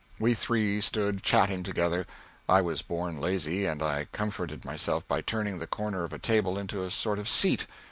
We three stood chatting together. I was born lazy, and I comforted myself by turning the corner of a table into a sort of seat.